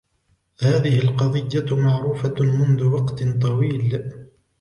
هذه القضية معروفة منذ وقت طويل.